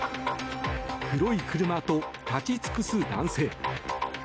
黒い車と立ち尽くす男性。